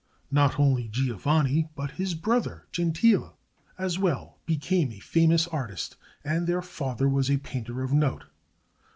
Not only Giovanni, but his brother Gentile as well, became a famous artist, and their father was a painter of note.